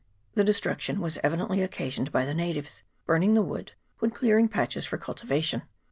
The destruction was evidently occasioned by the natives burning the wood when clearing patches for cultivation.